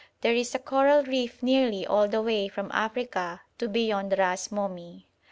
There is a coral reef nearly all the way from Africa to beyond Ras Momi.